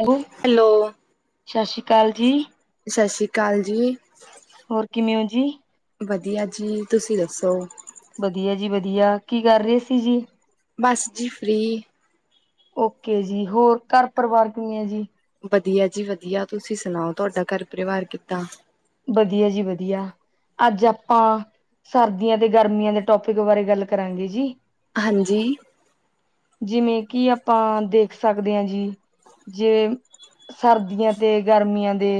ਹੈ, ਹੈਲੋ ਸਤਿ ਸ਼੍ਰੀ ਅਕਾਲ ਜੀ। ਸਤਿ ਸ਼੍ਰੀ ਅਕਾਲ ਜੀ। ਹੋਰ ਕਿਵੇਂ ਹੋ ਜੀ? ਵਧੀਆ ਜੀ, ਤੁਸੀਂ ਦੱਸੋ ਵਧੀਆ ਜੀ ਵਧੀਆ ਕੀ ਕਰ ਰਹੇ ਸੀ ਜੀ ਬੱਸ ਜ ਫ੍ਰਰੀ ਓਕੇ ਜੀ ਹੋਰ ਘਰ ਪਰਿਵਾਰ ਕਿਵੇਂ ਹੈ ਜੀ ਵਧੀਆ ਜੀ ਵਧੀਆ ਤੁਸੀਂ ਸੁਣਾਓ, ਤੁਹਾਡਾ ਘਰ ਪਰਿਵਾਰ ਕਿੱਦਾਂ। ਵਧੀਆ ਜੀ ਵਧੀਆ ਅੱਜ ਆਪਾਂ ਸਰਦੀਆਂ ਤੇ ਗਰਮੀਆਂ ਦੇ ਟੋਪਿਕ ਬਾਰੇ ਗੱਲ ਕਰਾਂਗੇ ਜੀ ਹਾਂਜੀ ਜਿਵੇਂ ਕਿ ਆਪਾਂ ਦੇਖ ਸਕਦੇ ਹਾਂ ਜੀ ਜੇ ਸਰਦੀਆਂ ਤੇ ਗਰਮੀਆਂ ਦੇ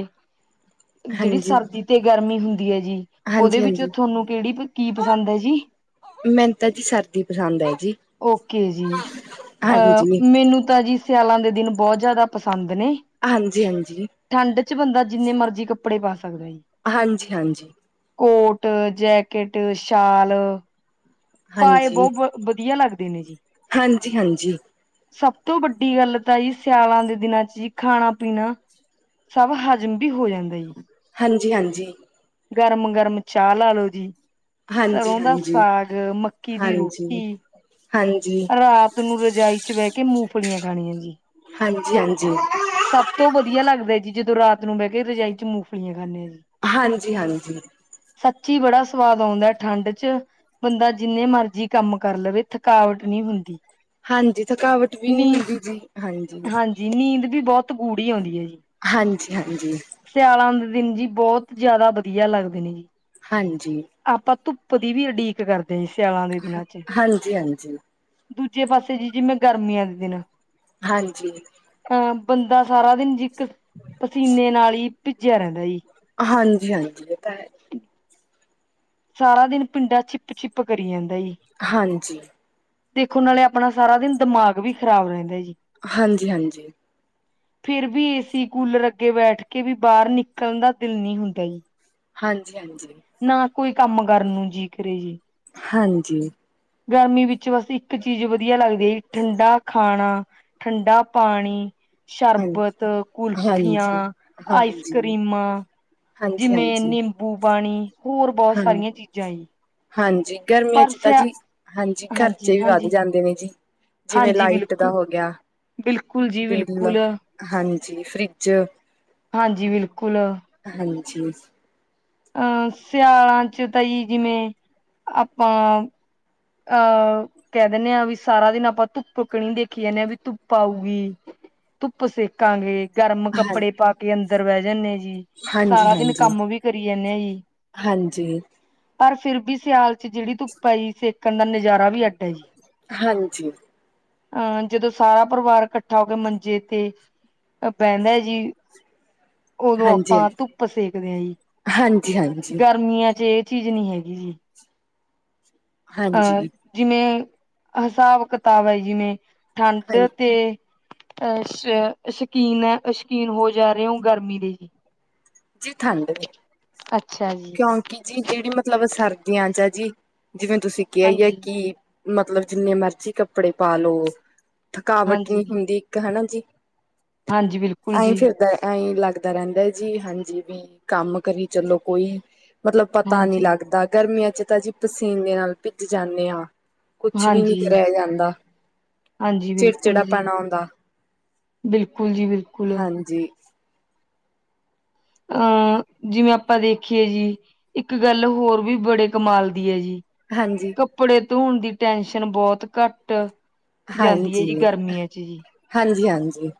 ਜਿਹੜੀ ਹਾਂਜੀ ਸਰਦੀ ਤੇ ਗਰਮੀ ਹੁੰਦੀ ਹੈ ਜੀ, ਉਹਦੇ ਹਾਂਜੀ ਵਿੱਚੋਂ ਹਾਂਜੀ ਤੁਹਾਨੂੰ ਕਿਹੜੀ, ਕੀ ਪਸੰਦ ਹੈ ਜੀ? ਮੈਨੂੰ ਤਾਂ ਜੀ ਸਰਦੀ ਪਸੰਦ ਹੈ, ਜੀ। ਓਕੇ ਜੀ ਹਾਂਜੀ ਅਹ ਮੈਨੂੰ ਤਾਂ ਜੀ ਸਿਆਲਾਂ ਦੇ ਦਿਨ, ਬਹੁਤ ਜ਼ਿਆਦਾ ਪਸੰਦ ਨੇ। ਹਾਂਜੀ, ਹਾਂਜੀ। ਠੰਡ 'ਚ ਬੰਦਾ ਜਿੰਨੇ ਮਰਜੀ ਕੱਪੜੇ ਪਾ ਸਕਦੇ ਆ, ਜੀ। ਹਾਂਜੀ-ਹਾਂਜੀ। ਕੋਟ, ਜੈਕੇਟ, ਸ਼ਾਲ ਪਾਏ ਬਹੁ, ਹਾਂਜੀ ਬਹੁਤ, ਵਧੀਆ ਲੱਗਦੇ ਨੇ ਜੀ। ਹਾਂਜੀ ਹਾਂਜੀ ਸਭ ਤੋਂ ਵੱਡੀ ਗੱਲ ਤਾਂ ਜੀ, ਸਿਆਲਾਂ ਦੇ ਦਿਨਾਂ'ਚ ਜੀ ਖਾਣਾ-ਪੀਣਾ ਸਭ ਹਜ਼ਮ ਵੀ, ਹੋ ਜਾਂਦਾ ਜੀ। ਹਾਂਜੀ, ਹਾਂਜੀ। ਗਾਰਮ, ਗਾਰਮ, ਚਾਹ ਲਾਲੋ ਜੀ। ਸਰ੍ਹੋਂ ਦਾ ਹਾਂਜੀ ਸਾਗ, ਮੱਕੀ ਦੀ ਹਾਂਜੀ ਰੋਟੀ। ਹਾਂਜੀ। ਰਾਤ ਨੂੰ ਰਜਾਈ'ਚ ਬਹਿ ਕੇ, ਮੂੰਫਲੀਆਂ ਖਾਣੀਆਂ ਜੀ। ਹਾਂਜੀ, ਹਾਂਜੀ। ਸਭ ਤੋਂ ਵਧੀਆ ਲੱਗਦਾ ਜੀ, ਜਦੋਂ ਰਾਤ ਨੂੰ ਬਹਿਕੇ ਰਜਾਈ'ਚ ਮੂੰਫਲੀਆਂ ਖਾਂਨੇ ਆ, ਜੀ। ਹਾਂਜੀ-ਹਾਂਜੀ। ਸੱਚੀ ਬੜਾ ਸਵਾਦ ਆਉਂਦਾ ਹੈ, ਠੰਡ'ਚ। ਬੰਦਾ ਜਿੰਨੇ ਮਰਜ਼ੀ ਕੰਮ ਕਰ ਲਵੇ, ਥਕਾਵਟ ਨਹੀਂ ਹੁੰਦੀ। ਹਾਂਜੀ, ਥਕਾਵਟ ਵੀ ਨਹੀਂ ਨੀ ਹੁੰਦੀ ਜੀ, ਹਾਂਜੀ। ਨੀਂਦ ਵੀ ਬਹੁਤ ਗੂੜੀ ਆਂਦੀ ਆ, ਜੀ ਹਾਂਜੀ-ਹਾਂਜੀ। ਸਿਆਲਾਂ ਦੇ ਦਿਨ ਜੀ, ਬਹੁਤ ਜਿਆਦਾ ਵਧੀਆ ਲੱਗਦੇ ਨੇ ਜੀ। ਹਾਂਜੀ। ਆਪਾ 'ਧੁੱਪ' ਦੀ ਵੀ ਉਡੀਕ ਕਰਦੇ ਹ, ਸਿਆਲਾਂ ਦੇ ਦਿਨਾਂ'ਚ। ਹਾਂਜੀ ਦੂਜੇ ਪਾਸੇ ਜੀ, ਜਿਵੇਂ ਗਾਰਮੀਆਂ ਦੇ ਦਿਨ ਹਾਂਜੀ। ਅਹ ਬੰਦਾ ਸਾਰਾ ਦਿਨ ਜ ਇੱਕ, ਪਸੀਨੇ ਨਾਲ ਹੀ ਭਿੱਜਿਆ ਰਹਿੰਦਾ ਜੀ। ਹਾਂਜੀ-ਹਾਂਜੀ, ਇਹ ਤਾ, ਹੈ। ਸਾਰਾ ਦਿਨ ਪਿੰਡਾ, ਚਿੱਪ-ਚਿੱਪ ਕਰੀ ਜਾਂਦਾ ਈ। ਹਾਂਜੀ ਦੇਖੋ ਨਾਲੇ ਆਪਣਾ, ਸਾਰਾ ਦਿਨ ਦਿਮਾਗ ਵੀ ਖ਼ਰਾਬ ਰਹਿੰਦਾ ਜੀ। ਹਾਂਜੀ, ਹਾਂਜੀ। ਫਿਰ ਵੀ ਏਸੀ, ਕੂਲਰ ਅੱਗੇ ਬੈਠ ਕੇ ਵੀ, ਬਾਹਰ ਨਿਕਲਣ ਦਾ ਦਿਲ ਨ ਹੁੰਦਾ ਹਾਂਜੀ-ਹਾਂਜੀ। ਨਾ ਕੋਈ, ਕੰਮ ਕਰਨ ਨੂੰ ਜੀ ਕਰੇ ਜੀ। ਹਾਂਜੀ। ਗਰਮੀ ਵਿੱਚ ਬਸ ਇੱਕ ਚੀਜ਼ ਵਧੀਆ ਲੱਗਦੀ ਆ ਜੀ, ਠੰਡਾ ਖਾਣਾ ਠੰਡਾ ਪਾਣੀ। ਹਾਂ ਸ਼ਰਬਤ, ਕੁਲਫੀਆਂ, ਹਾਂਜੀ ਆਈਸ ਹਾਂਜੀ ਕਰ੍ਰੀਮਾਂ। ਜਿਵੇਂ ਹਾਂਜੀ ਨਿੰਬੂ ਪਾਣੀ, ਹੋਰ ਬਹੁਤ ਹਾਂਜੀ ਸਾਰੀਆਂ ਹਾਂ ਚੀਜ਼ਾਂ। ਹਾਂਜੀ ਗਰਮੀਆਂ ਪਰ ਚ ਤਾਂ ਸਿਆ ਜੀ, ਹਾਂਜੀ ਖਰਚੇ ਵੀ ਵੱਧ ਜਾਂਦੇ ਨੇ ਜੀ। ਜਿਵੇਂ ਹਾਂਜੀ ਲਾਈਟ ਦਾ ਬਿਲਕੁਲ ਹੋ ਗਿਆ, ਬਿਲਕੁਲ ਜੀ ਬਿੱਲ ਬਿਲਕੁਲ ਹਾਂਜੀ ਫਰਿੱਜ ਹਾਂਜੀ, ਬਿਲਕੁਲ। ਹਾਂਜੀ। ਅਂ, ਸਿਆਲਾਂ'ਚ ਤਾਂ ਜੀ, ਜਿਵੇਂ, ਆਪਾਂ ਅਹ ਕਹਿ ਦਿੰਨੇ ਆ, ਵੀ ਸਾਰਾ ਦਿਨ ਆਪਾਂ, ਧੁੱਪ ਕਿਣੀ ਦੇਖੀ ਜਾਂਦੇ, ਹਾਂ ਵੀ ਧੁੱਪ ਆਊਗੀ। [inaudible] ੱਪ ਸੇਕਾਂਗੇ, ਗਰਮ ਹਾਂ ਕੱਪੜੇ ਪਾਕੇ ਅੰਦਰ ਬਹਿ ਜਾਂਨੇ ਆ ਜੀ। ਜੀ, ਹਾਂਜੀ ਸਾਰਾ ਦਿਨ ਹਾਂਜੀ ਕੰਮ ਵੀ ਕਰੀ ਜਾਨੇ ਆ ਜੀ। ਹਾਂਜੀ ਪਰ ਫਿਰ ਵੀ ਸਿਆਲ'ਚ ਜਿਹੜੀ ਧੁੱਪ ਆਈ, ਸੇਕਣ ਦਾ ਨਜ਼ਾਰਾ ਵੀ ਅੱਡ ਹਾਂਜੀ। ਆਂ, ਜਦੋਂ ਸਾਰਾ ਪਰਿਵਾਰ ਇਕੱਠਾ ਹੋਕੇ ਮੰਜੇ ਤੇ, ਬਹਿੰਦਾ ਜੀ। ਉਦੋਂ ਹਾਂਜੀ ਆਪਾਂ ਧੁੱਪ ਸੇਕਦੇ ਹਾਂ ਜੀ ਹਾਂਜੀ, ਹਾਂਜੀ, ਗਰਮੀਆਂ ਚ ਚੀਜ਼ ਨਹੀਂੀ ਹੈਗੀ ਜੀ। ਅ ਹਾਂਜੀ, ਜਿਵੇਂ ਹਿਸਾਬ ਕਿਤਾਬ ਹੈ ਜਿਵੇਂ ਠੰਡ ਹਾਂਜੀ ਤੇ ਅਹ ਸ਼ਕੀਨ ਹੈ ਸ਼ਕੀਨ ਹੋ ਜਾ ਰਹੇ ਹੋ ਗਰਮੀ ਦੇ ਜੀ। ਜੀ ਠੰਡ ਦੀ। ਅੱਛਾ ਜੀ। ਹਾਂਕ ਜੀ ਜਿਹੜੀ ਮਤਲਬ ਸਰਦੀਆਂ ਚ ਆ ਜੀ ਜਿਵੇਂ ਤੁਸੀਂ ਕਿਹਾ ਹੀ ਆ ਹਾਂਜੀ ਕਿ ਮਤਲਬ ਜਿੰਨੇ ਮਰਜੀ ਕੱਪੜੇ ਪਾ ਲੋ ਥਕਾਵਟ ਹਾਂਜੀ ਨਹੀਂ ਹੁੰਦੀ। ਹਨਾ ਜੀ ਹਾਂਜੀ ਬਿਲਕੁਲ ਐਈਂ ਜੀ ਫਿਰਦਾ ਐਹੀਂ ਲੱਗਦਾ। ਦਾ ਰਹਿੰਦਾ ਜੀ ਹਾਂਜੀ ਵੀ ਕੰਮ ਕਰੀ ਚਲੋ ਕੋਈ। ਮਤਲਬ ਪਤਾ ਨਹੀਂ ਹਾਂਜੀ, ਲੱਗਦਾ ਗਰਮੀਆਂ ਚ ਤਾਂ ਅਸੀਂ ਪਸੀਨ ਦੇ ਨਾਲ ਭਿੱਜ ਜਾਂਦੇ ਹਾਂ। ਕੁਛ ਵੀ ਨੀ ਹਾਂਜੀ, ਕਰਾਇ ਜਾਂਦਾ। ਹਾਂਜੀ ਬਿਲਕੁਲ ਚਿੜਚਿੜਾ ਜੀ ਪਣਾ ਆਉਂਦਾ ਬਿਲਕੁਲ ਜੀ ਬਿਲਕੁਲ। ਪੰਜੀ। ਅਹ ਜਿਵੇਂ ਆਪਾਂ ਦੇਖੀਏ ਜੀ, ਇੱਕ ਗੱਲ ਹੋਰ ਵੀ ਬੜੇ ਕਮਾਲ ਦੀ ਹੈ ਜੀ। ਹਾਂਜੀ। ਕੱਪੜੇ ਧੋਣ ਦੀ ਟੈਨਸ਼ਨ ਬਹੁਤ ਘੱਟ, ਜਾਂਦੀ ਹੈ ਜੀ ਹਾਂਜੀ ਗਰਮੀਆਂ ਚ ਜੀ। ਹਾਂਜੀ, ਹਾਂਜੀ।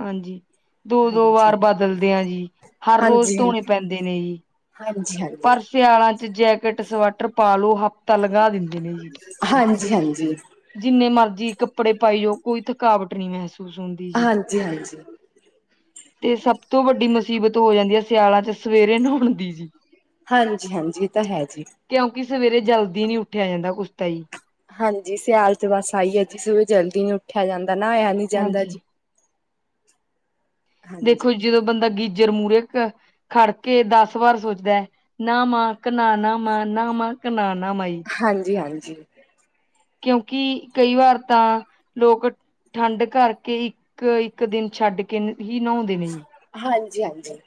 ਹਾਂਜੀ ਦੋ ਦੋ ਹਾਂਜੀ, ਵਾਰ ਬਦਲਦੇ ਆ ਜੀ, ਹਰ ਰੋਜ਼ ਹਾਂਜੀ, ਧੋਣੇ ਪੈਂਦੇ ਨੇ ਜੀ। ਹਾਂਜੀ, ਹਾਂਜੀ। ਪਰ ਸਿਆਲਾਂ ਚ ਜੈਕਟ ਸਵੈਟਰ ਪ ਲੋ ਹਫ਼ਤਾ ਲਗਾ ਦਿੰਦੇ ਨੇ ਜੀ। ਹਾਂਜੀ, ਹਾਂਜੀ। ਜਿੰਨੇ ਮਰਜੀੀ ਕੱਪੜੇ ਪਾਈਓ ਕੋਈ ਥਕਾਵਟ ਨਹੀਂ ਮਹਿਸੂਸ ਹੁੰਦੀ। ਜੀ। ਹਾਂਜੀ ਹਾਂਜੀ। ਤੇ ਸਭ ਤੋਂ ਵੱਡੀ ਮੁਸੀਬਤ ਹੋ ਜਾਂਦੀ ਹੈ ਸਿਆਲਾ ਚ। ਸਵੇਰੇ ਨੂੰ ਹਣਦੀ ਜੀ। ਹਾਂਜੀ, ਹਾਂਜੀ ਇਹ ਤਾਂ ਹੈ ਜੀ। ਕਿਉਂਕਿ ਸਵੇਰੇ ਜਲਦੀ ਨੀ ਉੱਠਿਆ ਜਾਂਦਾ ਉਸ ਤ ਹੀ। ਹਾਂਜੀ ਸਿਆਲ ਚ ਬਸ ਆਈਏ ਜੀ ਸਵੇ ਜਲਦੀ ਨ ਉੱਠਿਆ ਜਾਂਦਾ ਨਾਇਆ ਨੀ ਜਾਂਦਾ ਹਾਂਜੀ। ਜੀ। ਹਾਂਜੀ, ਦੇਖੋ ਜਦੋਂ ਬੰਦਾ ਗੀਜਰ ਮੂਹਰੇ ਖੜ ਕੇ ਦਸ ਵਾਰ ਸੋਚਦਾ ਹੈ। ਨਾਾਮਾ ਕਿਨਾ ਨਾ ਮਾ ਨਾਾਮਾ ਕਿਨਾ ਨਾ ਮਾਾਈ। ਹਾਂਜੀ ਹਾਂਜੀ। ਕਿਉਂਕਿ ਕਈ ਵਾਰ ਤਾਂ ਲੋਕ ਠੰਡ ਕਰਕੇ ਇੱਕ ਇੱਕ ਦਿਨ ਛੱਡ ਕੇ ਹੀ ਨਹਾਉਂਦੇ ਨੇ ਜੀ। ਹਾਂਜੀ, ਹਾਂਜੀ।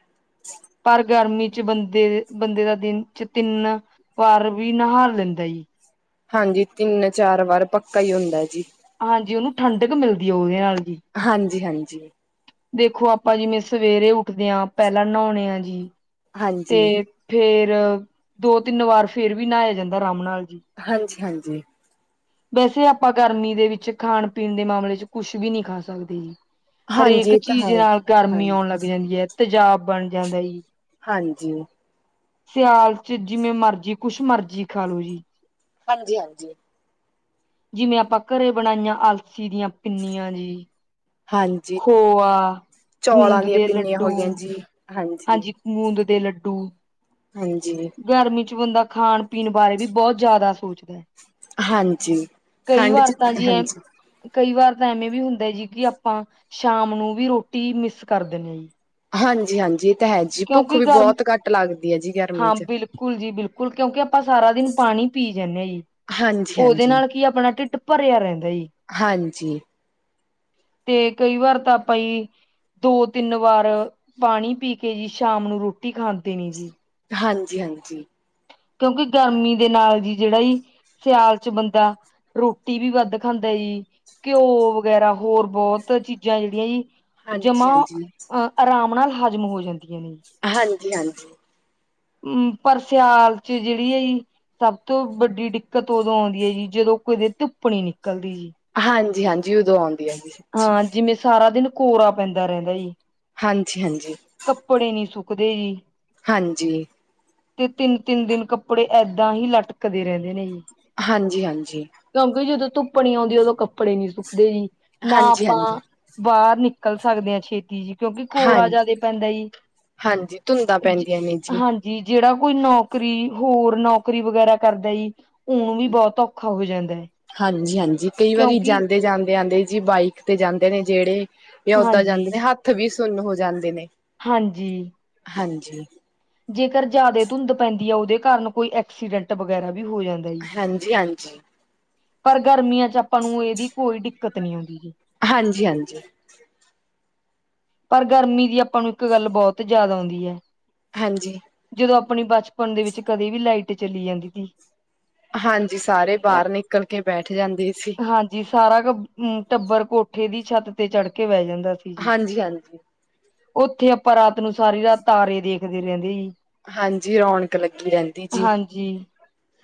ਪਰ ਗਰਮੀ ਚ ਬੰਦੇ ਬੰਦੇ ਦਾ ਦਿਨ ਚ ਤਿੰਨ ਘ ਵੀ ਨਹਾ ਲੈਂਦਾ। ਹਾਂਜੀ ਤਿੰਨ ਚਾਰ ਵਾਰ ਪੱਕਾ ਹੀ ਹੁੰਦਾ ਜੀ। ਹਾਂਜੀ ਉਹਨੂੰ ਠੰਡਕ ਮਿਲਦੀ ਹੈ ਉਹਦੇ ਨਾਲ ਜੀ। ਹਾਂਜੀ ਹਾਂਜੀ। ਦੇਖੋ ਆਪਾਂ ਜਿਵੇਂ ਸਵੇਰੇ ਉੱਠਦੇ ਹਾਂ ਪਹਿਲਾਂ ਨਹਾਉਣੇ ਆ ਜੀ। ਹਾਂਜੀ, ਤੇ ਫੇਰ ਦੋ ਤਿੰਨ ਵਾਰ ਫੇਰ ਵੀ ਨਹਾਇਆ ਜਾਂਦਾ ਰਾਮ ਨਾਲ ਜੀ। ਹਾਂਜੀ ਹਾਂਜੀ। ਵੈਸੇ ਆਪਾਂ ਗਰਮੀ ਦੇ ਵਿੱਚ ਖਾਣ ਪੀਣ ਦੇ ਮਾਮਲੇ ਚ ਕੁਛ ਵੀ ਨਹੀਂੀ ਖਾ ਸਕਦੇ ਜੀ। ਹਾਂਜੀ ਹਰੇਕ ਇਹ ਤਾਂ ਚੀਜ਼ ਹੈ ਨਾਲ ਗਰਮੀ ਹਾਂਜੀ, ਆਉਣ ਲੱਗ ਜਾਂਦੀ ਹੈ ਤੇਜ਼ਾਬ ਬਣ ਜਾਂਦਾ। ਹਾਂਜੀ। ਸਿਆਲ ਚ ਜਿਵੇਂ ਮਰਜੀ ਕੁੱਛ ਮਰਜੀ ਖਾ ਲੋੋ ਜੀ। ਹਾਂਜੀ ਹਾਂਜੀ। ਜਿਵੇਂ ਆਪਾਂ ਘਰੇ ਬਣਾਈਆਂ ਆਲਸੀ ਦੀਆਂ ਪਿੰਨੀਆਂ ਜੀ। ਹਾਂਜੀ ਖੋਆ ਚੌਲਾਂ ਗੂੰਦ ਦੀਆਂ ਦੇ ਪਿੰਨੀਆਂ ਹੋ ਲੱਡੂ ਗਈਆਂ ਜੀ ਹਾਂਜੀ। ਮੂੰਦ ਦੇ ਲੱਡੂ। ਹਾਂਜੀ। ਗਰਮੀ ਚ ਬੰਦਾ, ਖਾਣ ਪੀਣ ਬਾਰੇ ਵੀ ਬਹੁਤ ਜ਼ਿਆਦਾ ਸੋਚਦਾ ਹੈ। ਹਾਂਜੀ, ਕਈ ਠੰਡ ਵਾਰ 'ਚ ਤਾਂ ਜੀ ਐ ਹਾਂਜੀ। ਕਈ ਵਾਰ ਤਾਂ ਐਵੇਂ ਵੀ ਹੁੰਦਾ ਜੀ ਕਿ ਆਪਾਂ ਸ਼ਾਮ ਨੂੰ ਵੀ ਰੋਟੀ ਮਿਸ ਕਰ ਦਿੰਦੇ ਹਾਂ ਜੀ। ਹਾਂਜੀ-ਹਾਂਜੀ, ਇਹ ਤਾਂ ਹੈ ਜੀ, ਭੁੱਖ ਕਿਉਂਕਿ ਵੀ ਗਰਮ ਬਹੁਤ ਘੱਟ ਲੱਗਦੀ ਹੈ ਜੀ ਗਰਮੀ ਹਾਂ ਚ। ਬਿਲਕੁਲ ਜੀ ਬਿਲਕੁਲ ਕਿਉਂਕਿ ਆਪਾਂ ਸਾਰਾ ਦਿਨ ਪਾਣੀ ਪੀ ਜਾਂਦੇ ਹਾਂ ਜੀ। ਉਹਦੇ ਹਾਂਜੀ-ਹਾਂਜੀ, ਨਾਲ ਕੀ ਆਪਣਾ ਢਿੱਡ ਭਰਿਆ ਰਹਿੰਦਾ ਜੀ। ਹਾਂਜੀ। ਤੇ ਕਈ ਵਾਰ ਤਾਂ ਆਪਾਂ ਹੀ ਦੋ ਤਿੰਨ ਵਾਰ ਪਾਣੀ ਪੀ। ਕੇ ਜੀ ਸ਼ਾਮ ਨੂੰ ਰੋਟੀ ਖਾਂਦੇ ਨਹੀ ਜੀ। ਹਾਂਜੀ-ਹਾਂਜੀ। ਕਿਉਂਕਿ ਗਰਮੀ ਦੇ ਨਾਲ ਜੀ ਜਿਹੜਾ ਜੀ। ਸਿਆਲ ਚ ਬੰਦਾ ਰੋਟੀ ਵੀ ਵੱਧ ਖਾਂਦਾ ਜੀ। ਘਿਓ ਵਗੈਰਾ ਹੋਰ ਬਹੁਤ ਚੀਜ਼ਾਂ ਜਿਹੜੀਆਂ ਜੀ। ਜਮਾ ਹਾਂਜੀ-ਹਾਂਜੀ, ਆਰਾਮ ਨਾਲ ਹਜ਼ਮ ਹੋ ਜਾਂਦੀਆਂ ਨੇ। ਹਾਂਜੀ ਹਾਂਜੀ। ਹਮ ਪਰ ਸਿਆਲ ਚ ਜਿਹੜੀ ਆ ਜੀ। ਸਭ ਤੋਂ ਵੱਡੀ ਦਿੱਕਤ ਉਦੋਂ ਆਉਂਦੀ ਹੈ ਜੀ ਜਦੋਂ ਕਦੇ ਧੁੱਪ ਨੀ ਨਿਕਲਦੀ ਜੀ। ਹਾਂਜੀ ਹਾਂਜੀ ਉਦੋਂ ਆਉਂਦੀ ਹੈ ਜੀ। ਸੱਚੀ। ਹਾਂ ਜਿਵੇਂ ਸਾਰਾ ਦਿਨ ਕੋਰਾ ਪੈਂਦਾ ਰਹਿੰਦਾ ਜੀ। ਹਾਂਜੀ-ਹਾਂਜੀ। ਕੱਪੜੇ ਨੀ ਸੁੱਕਦੇ ਜੀ। ਹਾਂਜੀ। ਤੇ ਤਿੰਨ-ਤਿੰਨ ਦਿਨ ਕੱਪੜੇ ਏਦਾਂ ਹੀ ਲਟਕਦੇ ਰਹਿੰਦੇ ਨੇ ਜੀ। ਹਾਂਜੀ-ਹਾਂਜੀ। ਜਦੋਂ ਧੁੱਪ ਨੀ ਆਉਂਦੀ ਉਦੋਂ ਕੱਪੜੇ ਨੀ ਸੁੱਕਦੇ ਜੀ। ਨਾ ਆਪਾਂ ਹਾਂਜੀ-ਹਾਂਜੀ, ਬਾਹਰ ਨਿਕਲ ਸਕਦੇ ਹਾਂ ਛੇਤੀ ਜਿਹੀ ਕਿਉਂਕਿ ਹਾਂ ਕੋਰਾ ਜਿਆਦੇ। ਪੈਂਦਾ ਜੀ ਹਾਂਜੀ ਧੁੰਦਾਂ ਪੈਂਦੀਆਂ ਨੇ ਹਾਂਜੀ। ਜੀ ਜਿਹੜਾ ਕੋਈ ਨੌਕਰੀ ਹੋਰ ਨੌਕਰੀ ਵਗੈਰਾ ਕਰਦਾ ਜੀ। ਉਂ ਵੀ ਬਹੁਤ ਔਖਾ ਹੋ ਜਾਂਦਾ ਹੈ। ਹਾਂਜੀ-ਹਾਂਜੀ ਕਈ ਵਾਰੀ ਕਿਉਂਕਿ ਜਾਂਦੇ ਜਾਂਦੇ ਆਦੇ ਜੀ ਬਾਈਕ ਤੇ ਜਾਂਦੇ ਨੇ ਜਿਹੜੇ। ਵੀ ਓਦਾਂ ਹਾਂਜੀ ਜਾਂਦੇ ਨੇ ਹੱਥ ਵੀ ਸੁਨ ਹੋ ਜਾਂਦੇ ਨੇ। ਹਾਂਜੀ। ਹਾਂਜੀ। ਜੇਕਰ ਜ਼ਿਆਦਾ ਧੁੰਦ ਪੈਂਦੀ ਆ ਉਹਦੇ ਕਾਰਨ ਕੋਈ ਐਕਸੀਡੈਂਟ ਵਗੈਰਾ ਵੀ ਹੋ ਜਾਂਦਾ ਜੀ ਹਾਂਜੀ-ਹਾਂਜੀ ਪਰ ਗਰਮੀਆਂ ਚ ਆਪਾਂ ਨੂੰ ਇਹਦੀ ਕੋਈ ਦਿੱਕਤ ਨੀ ਆਉਂਦੀ ਜ ਹਾਂਜੀ-ਹਾਂਜੀ ਪਰ ਗਰਮੀ ਦੀ ਆਪਾਂ ਨੂੰ ਇੱਕ ਗੱਲ ਬਹੁਤ ਜਿਆਦ ਆਉਂਦੀ ਹੈ ਹਾਂਜੀ। ਜਦੋਂ ਆਪਣੀ ਬਚਪਨ ਦੇ ਵਿੱਚ ਕਦੇ ਵੀ ਲਾਈਟ ਚਲੀ ਜਾਂਦੀ ਸੀ। ਹਾਂਜੀ ਸਾਰੇ ਬਾਹਰ ਨਿਕਲ ਕੇ ਬੈਠ ਜਾਂਦੇ ਸੀ। ਜੀ ਸਾਰਾ ਕ ਟੱਬਰ ਕੋਠੇ ਦੀ ਛੱਤ ਤੇ ਚੜ੍ਹ ਕੇ ਬਹਿ ਜਾਂਦਾ ਸੀ ਜੀ। ਹਾਂਜੀ-ਹਾਂਜੀ। ਉੱਥੇ ਆਪਾਂ ਰਾਤ ਨੂੰ ਸਾਰੀ ਰਾਤ ਤਾਰੇ ਦੇਖਦੇ ਰਹਿੰਦੇ ਜੀ। ਹਾਂਜੀ ਰੌਣਕ ਲੱਗੀ ਰਹਿੰਦੀ ਜੀ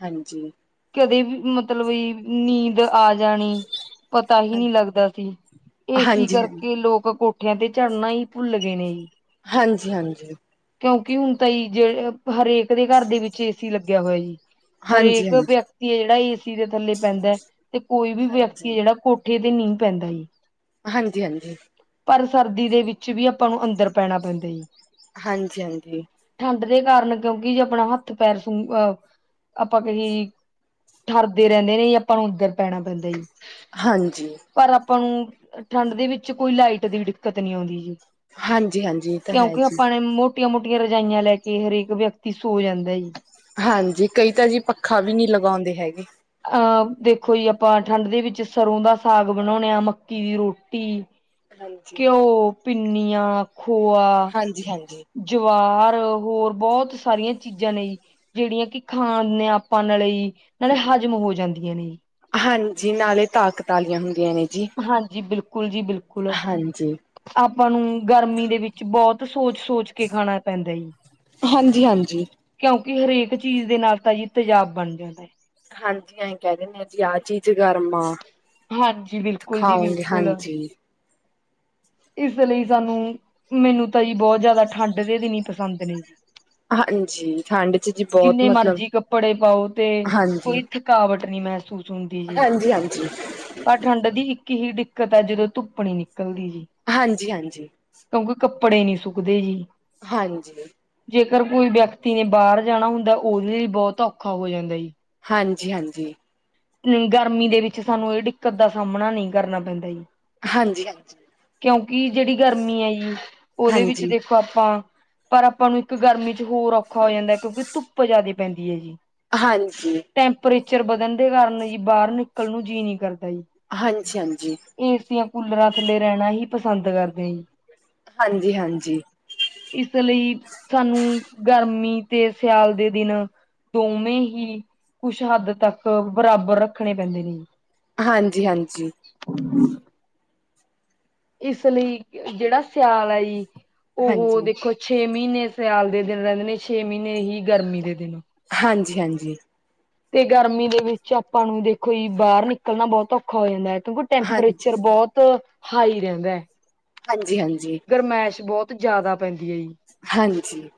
ਹਾਂਜੀ। ਕਦੀ ਵੀ ਮਤਲਬ ਵੀ ਨੀਂਦ ਆ ਜਾਣੀ। ਪਤਾ ਹੀ ਨਹੀਂ ਹਾਂਜੀ, ਲੱਗਦਾ ਸੀ ਇਸੀ ਹਾਂਜੀ, ਹਾਂਜੀ। ਕਰਕੇ ਲੋਕ ਕੋਟ। ਕੋਠੀਆਂ ਤੇ ਚੜਨਾ ਹੀ ਭੁੱਲ ਗਏ ਨੇ ਜੀ। ਹਾਂਜੀ-ਹਾਂਜੀ। ਕਿਉਂਕਿ ਹੁਣ ਤਾਂ ਜ ਜਿਹੇ ਹਰੇਕ ਦੇ ਘਰ ਦੇ ਵਿੱਚ ਏ ਸੀ ਲੱਗਿਆ ਹੋਇਆ ਜੀ ਹਾਂਜੀ, ਹਰੇਕ ਵਿਅਕਤੀ ਹੈ ਜਿਹੜਾ ਏਸੀ ਦੇ ਥੱਲੇ ਪੈਂਦਾ ਤੇ ਕੋਈ ਵੀ ਵਿਅਕਤੀ ਹੈ ਹਾਂਜੀ। ਜਿਹੜਾ ਕੋਟ ਪੱਠੇ ਤੇ ਨੀਂਹ ਪੈਂਦਾ ਏ ਹਾਂਜੀ ਹਾਂਜੀ ਪਰ ਸਰਦੀ ਦੇ ਵਿੱਚ ਵੀ ਆਪਾਂ ਨੂੰ ਅੰਦਰ ਪੈਣਾ ਪੈਂਦਾ ਜੀ ਹਾਂਜੀ ਹਾਂਜੀ ਠੰਢ ਦੇ ਕਾਰਨ ਕਿਉਂਕਿ ਜੇ ਆਪਣਾ ਹੱਥ ਪੈਰ ਸ ਅਹ ਆਪਾਂ ਕਹੀ ਠਰਦੇ ਰਹਿੰਦੇ ਨੇ ਜ ਆਪਾਂ ਨੂੰ ਅੰਦਰ ਪੈਣਾ ਪੈਂਦਾ ਜੀ ਹਾਂਜੀ ਪਰ ਆਪਾਂ ਨੂੰ ਠੰਢ ਦੇ ਵਿੱਚ ਕੋਈ ਲਾਈਟ ਦੀ ਦਿੱਕਤ ਨੀ ਆਉਂਦੀ ਜੀ ਹਾਂਜੀ ਹਾਂਜੀ ਤਾਂ ਹੈ ਕਿਉਂਕਿ ਜੀ ਆਪਾਂ ਮੋਟੀਆਂ ਮੋਟੀਆਂ ਰਜਾਈਆਂ ਲੈ ਕੇ ਹਰੇਕ ਵਿਅਕਤੀ ਸੋ ਜਾਂਦਾ ਹਾਂਜੀ ਕਈ ਤਾਂ ਜੀ ਪੱਖਾ ਵੀ ਨਹੀਂੀ ਲਗਾਉਂਦੇ ਹੈਗੇ। ਅਹ ਦੇਖੋ ਜੀ ਆਪਾਂ ਠੰਢ ਦੇ ਵਿੱਚ ਸਰ੍ਹੋਂ ਦਾ ਸਾਗ ਬਣਾਉਣੇ ਆ ਮੱਕੀ ਦੀ ਰੋਟੀ ਹਾਂਜੀ। ਘਿਓ ਪਿੰਨੀਆਂ ਖੋਆ ਹਾਂਜੀ-ਹਾਂਜੀ- ਜਵਾਰ ਹੋਰ ਬਹੁਤ ਸਾਰੀਆਂ ਚੀਜ਼ਾਂ ਨੇ ਜੀ ਜਿਹੜੀਆਂ ਕਿ ਖਾਣ ਨੇ ਆਪਾਂ ਨਾਲੇ ਨਾਲੇ ਹਜ਼ਮ ਹੋ ਜਾਂਦੀਆਂ ਨੇ ਜੀ ਹਾਂਜੀ ਨਾਲੇ ਤਾਕਤਾਲੀਆਂ ਹੁੰਦੀਆਂ ਨੇ ਜੀ ਹਾਂਜੀ ਬਿਲਕੁਲ ਜੀ ਬਿਲਕੁਲ ਹਾਂਜੀ ਆਪਾਂ ਨੂੰ ਗਰਮੀ ਦੇ ਵਿੱਚ ਬਹੁਤ ਸੋਚ ਸੋਚ ਕੇ ਖਾਣਾ ਪੈਂਦਾ ਜੀ। ਹਾਂਜੀ ਹਾਂਜੀ ਕਿਉਂਕਿ ਹਰੇਕ ਚੀਜ਼ ਦੇ ਨਾਲ ਤਾਂਾ ਜੀ ਤੇਜ਼ਾਬ ਬਣ ਜਾਂਦਾ ਹੈ ਹਾਂਜੀ ਅਸੀਂ ਕਹਿ ਦਿੰਨਦੇ ਹਾਂ ਜੀ ਆਹ ਚੀਜ਼ ਗਰਮ ਆ ਹਾਂਜੀ ਬਿਲਕੁਲ ਜੀ ਖਾਓਗੇ ਬਿਲਕੁਲ ਹਾਂਜੀ। ਇਸ ਲਈ ਸਾਨੂੰ ਮੈਨੂੰ ਤਾਂ ਜੀ ਬਹੁਤ ਜ਼ਿਆਦਾ ਠੰਢ ਦੇ ਦਿਨ ਹੀ ਪਸੰਦ ਨੇ ਜੀ ਹਾਂਜੀ ਠੰਡ ਚ ਜੀ ਬਹੁਤ ਜਿੰਨੇ ਮਤਲਬ ਮਰਜੀ ਕੱਪੜੇ ਪਾਓ ਤੇ ਹਾਂਜੀ। ਕੋਈਥ ਰਕਾਵਟ ਨਹੀਂ ਮਹਿਸੂਸ ਹੁੰਦੀ ਜੀ। ਹਾਂਜੀ ਹਾਂਜੀ ਪਰ ਠੰਡ ਦੀ ਇੱਕ ਹੀ ਦਿੱਕਤ ਹੈ ਜਦੋਂ ਧੁੱਪ ਨਹੀਂ ਨਿਕਲਦੀ ਸੀ ਹਾਂਜੀ ਹਾਂਜੀ ਕਿਉਂਕਿ ਕੱਪੜੇ ਨੀ ਸੁੱਕਦੇ ਜੀ ਹਾਂਜੀ ਜੇਕਰ ਕੋਈ ਵਿਅਕਤੀ ਨੇ ਬਾਹਰ ਜਾਣਾ ਹੁੰਦਾ ਉਹਦੇ ਲਈ ਬਹੁਤ ਔਖਾ ਹੋ ਜਾਂਦਾ ਜੀ ਹਾਂਜੀ ਹਾਂਜੀ ਗਰਮੀ ਦੇ ਵਿੱਚ ਸਾਨੂੰ ਇਹ ਦਿੱਕਤ ਦਾ ਸਾਹਮਣਾ ਨਹੀਂ ਕਰਨਾ ਪੈਂਦਾ ਜੀ ਹਾਂਜੀ ਹਾਂਜੀ ਕਿਉਂਕਿ ਜਿਹੜੀ ਗਰਮੀ ਆ ਜੀ ਉਹਦੇ ਵਿੱਚ ਹਾਂਜੀ। ਦੇਖ ਆਪਾਂ ਪਰ ਆਪਾਂ ਨੂੰ ਇੱਕ ਗਰਮੀ ਚ ਹੋਰ ਔਖਾ ਹੋ ਜਾਂਦਾ ਕਿਉਂਕਿ ਧੁੱਪ ਜਿਆਦਾ ਪੈਂਦੀ ਹੈ ਜੀ ਹਾਂਜੀ ਟੈਂਪਰੇਚਰ ਵਧਣ ਦੇ ਕਾਰਨ ਜੀ ਬਾਹਰ ਨਿਕਲ ਨੂੰ ਜੀਅ ਨਹੀਂ ਕਰਦਾ ਜੀ ਹਾਂਜੀ ਹਾਂਜੀ ਏਸੀਆਂ ਕੂਲਰਾਂ ਥੱਲੇ ਰਹਿਣਾ ਹੀ ਪਸੰਦ ਕਰਦੇ ਸੀ ਹਾਂਜੀ ਹਾਂਜੀ ਇਸ ਲਈ ਸਾਨੂੰ ਗਰਮੀ ਤੇ ਸਿਆਲ ਦੇ ਦਿਨ ਦੋਵੇਂ ਹੀ ਕੁਛ ਹੱਦ ਤੱਕ ਬਰਾਬਰ ਰੱਖਣੇ ਪੈਂਦੇ ਨੇ ਹਾਂਜੀ ਹਾਂਜੀ ਹਮ ਇਸ ਲਈ ਜਿਹੜਾ ਸਿਆਲ ਹੈ ਜੀ ਉਹ ਦੇਖੋ ਛੇ ਮਹੀਨੇ ਸਿਆਲ ਦੇ ਦਿਨ ਰਹਿੰਦੇ ਨੇ ਛੇ ਮਹੀਨੇ ਹੀ ਗਰਮੀ ਦੇ ਦਿਨ ਹਾਂਜੀ ਹਾਂਜੀ ਤੇ ਗਰਮੀ ਦੇ ਵਿੱਚ ਆਪਾਂ ਨੂੰ ਦੇਖੋ ਜੀ ਬਾਹਰ ਨਿਕਲਣਾ ਬਹੁਤ ਔਖਾ ਹੋ ਜਾਂਦਾ ਹੈ ਕਿਉਂਕਿ ਹਾਂਜੀ। ਹਾਂਜੀ ਹਾਂਜੀ ਹਾਂਜੀ ਟੈਂਪਰੇਚਰ ਬਹੁਤ ਹਾਈ ਰਹਿੰਦਾ ਹੈ ਹਾਂਜੀ ਹਾਂਜੀ ਗਰਮਾਇਸ਼ ਬਹੁਤ ਜ਼ਿਆਦਾ ਪੈਂਦੀ ਹੈ ਜੀ ਹਾਂਜੀ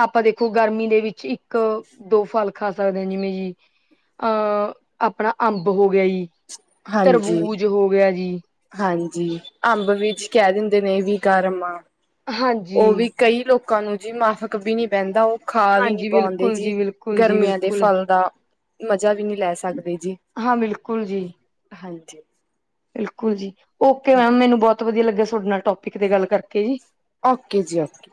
ਆਪਾਂ ਦੇਖੋ ਗਰਮੀ ਦੇ ਵਿੱਚ ਇੱਕ ਦੋ ਫਲ ਖਾ ਸਕਦੇ ਹ ਜਿਵੇਂ ਜੀ ਅਹ ਆਪਣਾ ਅੰਬ ਹੋ ਗਿਆ ਜੀ ਹਾਂਜੀ ਤਰਬੂਜ ਹੋ ਗਿਆ ਜੀ ਹਾਂਜੀ ਅੰਬ ਵਿੱਚ ਕਹਿ ਦਿੰਦੇ ਨੇ ਵੀ ਘਮਾ ਉਹ ਹਾਂਜੀ ਵੀ ਕਈ ਲੋਕਾਂ ਨੂੰ ਜੀ ਮਾਫਕ ਵੀ ਨੀ ਪੈਂਦਾ ਉਹ ਖਾ ਵੀ ਨੀ ਹਾਂਜੀ ਪਾਉਂਦੇ ਬਿਲਕੁਲ ਜੀ ਬਿਲਕੁਲ ਜੀ ਗਰਮੀਆਂ ਦੇ ਬਿਲਕੁਲ ਫਲ ਦਾ ਮਜਾ ਵੀ ਨਹੀਂੀ ਲੈ ਸਕਦੇ ਜੀ ਹਾਂ ਬਿਲਕੁਲ ਜੀ ਹਾਂਜੀ ਬਿਲਕੁਲ ਜੀ ਓਕੇ ਮੈਮ ਹਾਂਜੀ ਮੈਨੂੰ ਬਹੁਤ ਵਧੀਆ ਲੱਗਿਆ ਤੁਹਾਡੇ ਨਾਲ ਟੋਪਿਕ ਤੇ ਗੱਲ ਕਰਕੇ ਜੀ ਓਕੇ ਜੀ ਓਕੇ